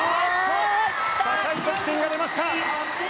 高い得点が出ました！